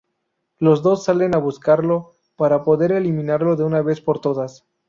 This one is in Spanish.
Los dos salen a buscarlo para poder eliminarlo de una vez por todas.